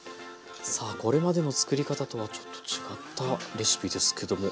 さあこれまでのつくり方とはちょっと違ったレシピですけども。